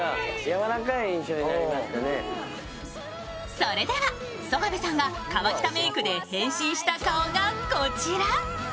それでは曽我部さんが河北メイクで変身した姿がこちら。